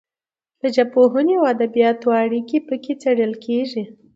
د ژبپوهنې او ادبیاتو اړیکې پکې څیړل کیږي.